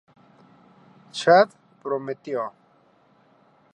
Chad prometió!